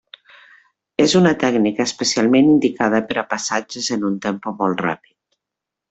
És una tècnica especialment indicada per a passatges en un tempo molt ràpid.